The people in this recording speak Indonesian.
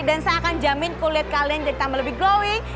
dan saya akan jamin kulit kalian jadi tambah lebih glowing